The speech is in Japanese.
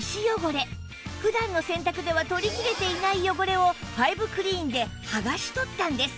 普段の洗濯では取りきれていない汚れをファイブクリーンではがし取ったんです